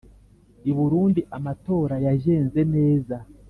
I Burundi amatora yajyenze neza